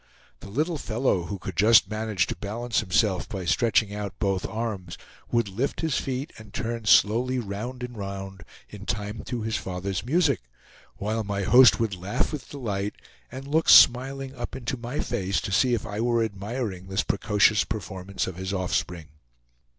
The little fellow, who could just manage to balance himself by stretching out both arms, would lift his feet and turn slowly round and round in time to his father's music, while my host would laugh with delight, and look smiling up into my face to see if I were admiring this precocious performance of his offspring.